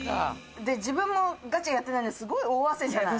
「自分もガチャやってないのにすごい大汗じゃない」